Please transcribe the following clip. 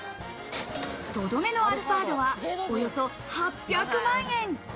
とどめのアルファードは、およそ８００万円。